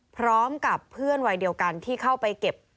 พร้อมกับเพื่อนวัยเดียวกันที่เข้าไปเก็บ